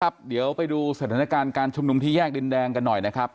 เดี๋ยวไปดูสถานการณ์การชุมนุมที่แยกดินแดงกันหน่อยนะครับ